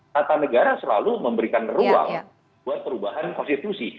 tata negara selalu memberikan ruang buat perubahan konstitusi